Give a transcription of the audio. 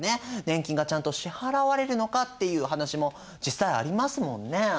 年金がちゃんと支払われるのかっていう話も実際ありますもんね。